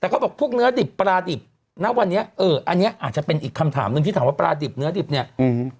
แต่เขาบอกพวกเนื้อดิบปลาดิบนะวันนี้เอออันเนี้ยอาจจะเป็นอีกคำถามหนึ่งที่ถามว่าปลาดิบเนื้อดิบเนี้ยอืม